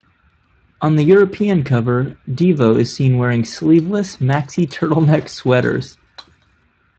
On the European cover, Devo is seen wearing Sleeveless Maxi-Turtleneck Sweaters.